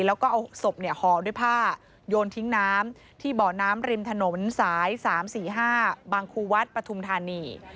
แล้วก็เอาศพห่อด้วยผ้าโยนทิ้งน้ำที่เบาะน้ำริมถนนสาย๓๔๕บางครูวัดปฐุมธานี